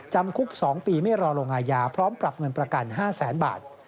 จำคุก๒ปีไม่รอลงอาญาพร้อมปรับเงินประกัน๕แสนบาท